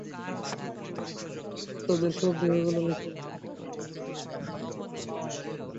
তাদের শবদেহগুলো নিথর হয়ে যত্রতত্র পড়ে থাকে।